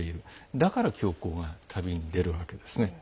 だから教皇は旅に出るわけですね。